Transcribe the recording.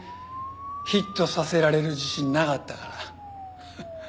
ヒットさせられる自信なかったから。